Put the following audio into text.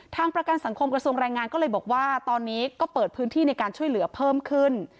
ประกันสังคมกระทรวงแรงงานก็เลยบอกว่าตอนนี้ก็เปิดพื้นที่ในการช่วยเหลือเพิ่มขึ้น